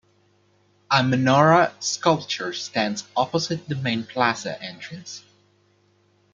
A menorah sculpture stands opposite the main plaza entrance.